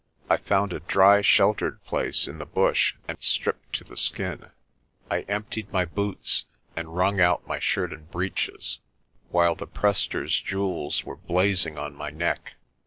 I found a dry sheltered place in the bush and stripped to the skin. I emptied my boots and wrung out my shirt and breeches, while the Prester's jewels were blazing on my neck.